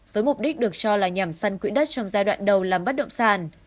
với mục đích được cho là nhằm săn quỹ đất trong giai đoạn đầu làm bất động sản